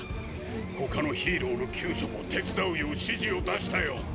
他のヒーローの救助も手伝うよう指示を出したよ。